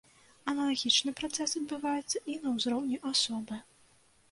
Аналагічны працэс адбываецца і на ўзроўні асобы.